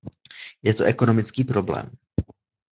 Je to ekonomický problém.